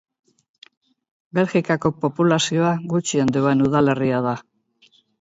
Belgikako populazio gutxien duen udalerria da.